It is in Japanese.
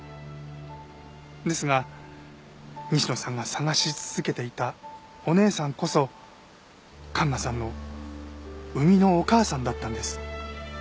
ですが西野さんが捜し続けていたお姉さんこそ環奈さんの生みのお母さんだったんです。